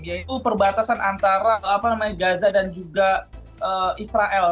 yaitu perbatasan antara gaza dan juga israel